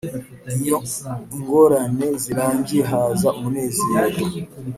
iyo ingorane zirangiye haza umunezero.